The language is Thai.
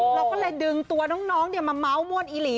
เราก็เลยดึงตัวน้องมาเม้าม่วนอีหลี